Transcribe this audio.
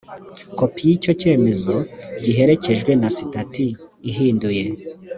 kopi y icyo cyemezo giherekejwe na sitati ihinduye